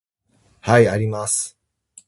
Hi, Arimas!